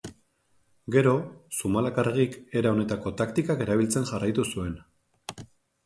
Gero, Zumalakarregik era honetako taktikak erabiltzen jarraitu zuen.